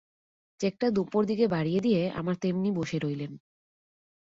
চেকটা দুপোঁর দিকে বাড়িয়ে দিয়ে আমার তেমনি বসে রইলেন।